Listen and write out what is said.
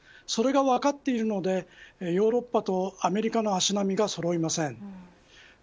それが分かっているのでヨーロッパとアメリカの足並みがそろいません。